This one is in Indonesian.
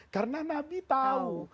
karena nabi tahu